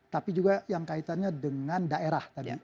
tapi juga yang kaitannya dengan daerah tadi